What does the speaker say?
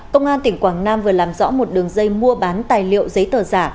công an tỉnh quảng nam vừa làm rõ một đường dây mua bán tài liệu giấy tờ giả